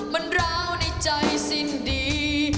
มันร้าวในใจสิ้นดี